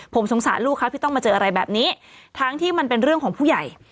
ผมสงสารลูกครับที่ต้องมาเจออะไรแบบนี้ทั้งที่มันเป็นเรื่องของผู้ใหญ่